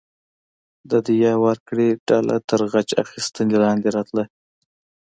د دیه ورکړې ډله تر غچ اخیستنې لاندې راتله.